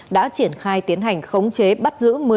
đã triển khai tiến hành khống chế bắt giữ